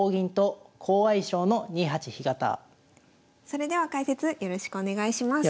それでは解説よろしくお願いします。